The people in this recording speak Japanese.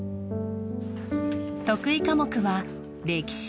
得意科目は、歴史。